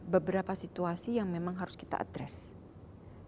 beberapa situasi yang memang harus kita address